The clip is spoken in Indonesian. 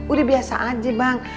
udah biasa aja bang